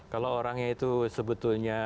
kalau orangnya itu sebetulnya